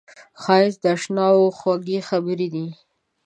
ښایست د اشناوو خوږې خبرې دي